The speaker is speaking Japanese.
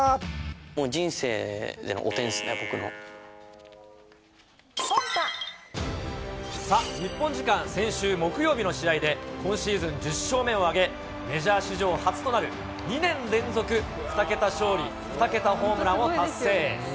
もう人生の汚点ですね、さあ、日本時間、先週木曜日の試合で、今シーズン１０勝目を挙げ、メジャー史上初となる２年連続２桁勝利、２桁ホームランを達成。